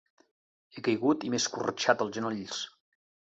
He caigut i m'he escorxat els genolls.